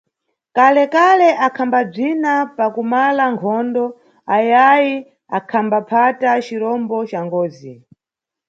Kalekale akhambabzina pakumala nkhondo ayayi angaphata cirombo ca ngozi.